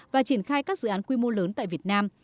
và triển khai các dự án quy mô lớn tại việt nam